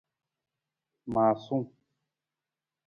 Maasung.